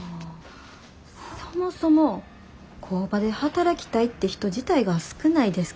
そもそも工場で働きたいって人自体が少ないですからね。